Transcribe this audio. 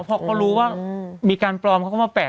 พอเขารู้ว่ามีการปลอมเขาก็มาแปะ